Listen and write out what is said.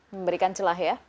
memberikan celah ya